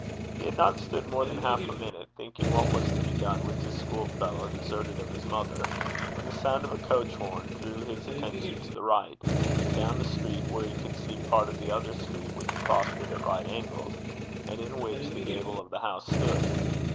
He had not stood more than half a minute, thinking what was to be done with his school fellow deserted of his mother, when the sound of a coach horn drew his attention to the right, down the street, where he could see part of the other street which crossed it at right angles, and in which the gable of the house stood.